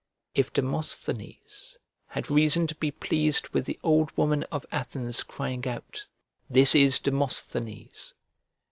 If Demosthenes had reason to be pleased with the old woman of Athens crying out, "This is Demosthenes!"